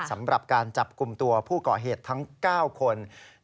สำหรับการจับกลุ่มตัวผู้ก่อเหตุทั้ง๙คน